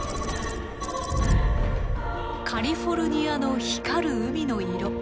カリフォルニアの光る海の色。